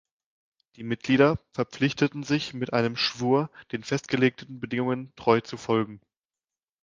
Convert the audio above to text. Die Mitglieder verpflichteten sich mit einem Schwur, den festgelegten Bedingungen treu zu folgen.